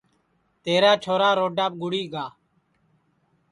تیرا چھورا روڈاپ گُڑی گا